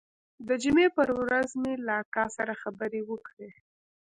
د جمعې پر ورځ مې له اکا سره خبرې وکړې.